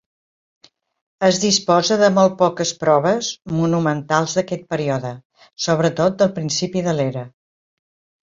Es disposa de molt poques proves monumentals d'aquest període, sobretot del principi de l'era.